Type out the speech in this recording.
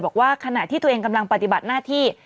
บอกว่าขณะที่ตัวเองกำลังปฏิบัติหน้าที่